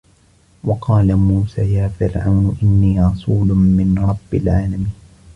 وقال موسى يا فرعون إني رسول من رب العالمين